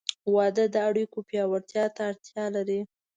• واده د اړیکو پیاوړتیا ته اړتیا لري.